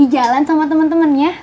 jalan sama temen temennya